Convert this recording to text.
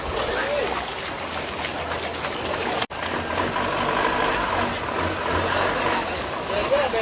สวัสดีครับ